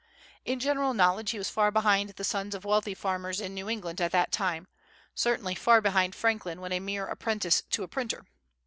In general knowledge he was far behind the sons of wealthy farmers in New England at that time, certainly far behind Franklin when a mere apprentice to a printer.